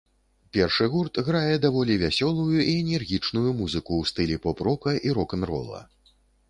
Першы гурт грае даволі вясёлую і энергічную музыку ў стылі поп-рока і рок-н-рола.